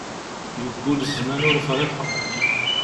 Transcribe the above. Yeggul zzman ur friḥeɣ.